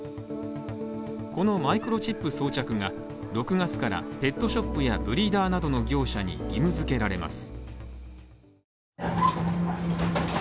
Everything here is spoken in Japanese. このマイクロチップ装着が６月から、ペットショップやブリーダーなどの業者に義務付けられます。